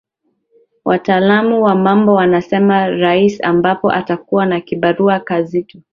wataalam wa mambo wanasema rais obama atakuwa na kibarua kizito